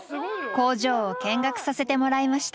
工場を見学させてもらいました。